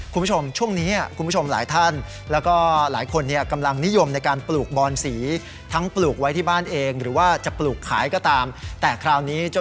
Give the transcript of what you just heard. คุณผู้ชมช่วงนี้คุณผู้ชมหลายท่าน